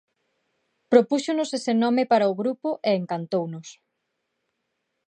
Propúxonos ese nome para o grupo e encantounos.